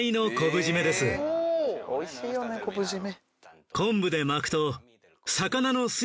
美味しいよね昆布締め。